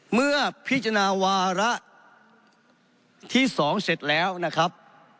เมื่อพิจารณาวาระที่๒เสร็จแล้วนะครับ